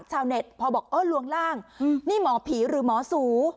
เน็ตพอบอกเออลวงร่างนี่หมอผีหรือหมอสู